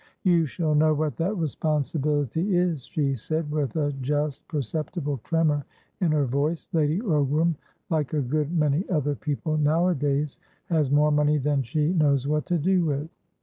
"You shall know what that responsibility is," she said, with a just perceptible tremor in her voice. "Lady Ogram, like a good many other people nowadays, has more money than she knows what to do with.